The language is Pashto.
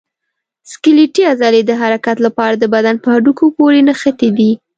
سکلیټي عضلې د حرکت لپاره د بدن په هډوکو پورې نښتي دي.